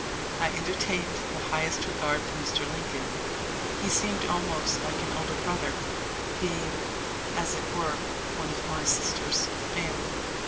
I entertained the highest regard for Mr. Lincoln. He seemed almost like an older brother, being, as it were, one of my sister's family."